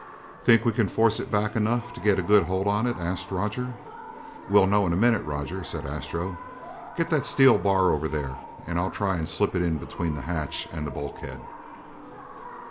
"Think we can force it back enough to get a good hold on it?" asked Roger. "We'll know in a minute, Roger," said Astro. "Get that steel bar over there and I'll try to slip it in between the hatch and the bulkhead."